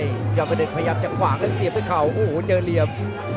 เจ้ามะเดชน์พยายามจะขวากันเสียบด้วยเขาโอ้โหเจอเหลี่ยม